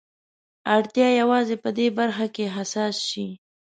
اړتيا يوازې په دې برخه کې حساس شي.